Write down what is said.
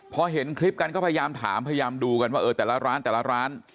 พอเห็นคลิปกันก็พยายามถามพยายามดูกันว่าเออแต่ละร้านแต่ละร้าน